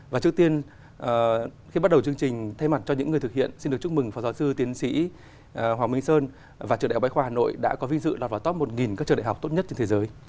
và trước tiên khi bắt đầu chương trình thay mặt cho những người thực hiện xin được chúc mừng phó giáo sư tiến sĩ hoàng minh sơn và trường đại học bách khoa hà nội đã có vinh dự lọt vào top một các trường đại học tốt nhất trên thế giới